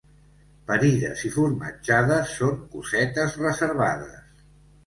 Parides i formatjades són cosetes reservades.